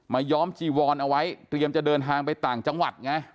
ย้อมจีวอนเอาไว้เตรียมจะเดินทางไปต่างจังหวัดไง